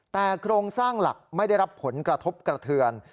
แต่โครงสร้างหลักไม่ได้รับผลกระทบกระเทือน